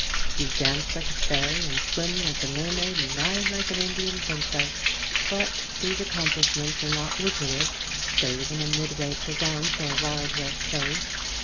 You dance like a fairy, and swim like a mermaid, and ride like an Indian princess, but these accomplishments are not lucrative, save in a Midway Plaisance or a Wild West show.